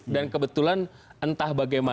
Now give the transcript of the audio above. dan kebetulan entah bagaimana